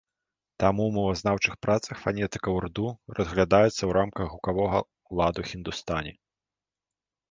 Таму ў мовазнаўчых працах фанетыка ўрду разглядаецца ў рамках гукавога ладу хіндустані.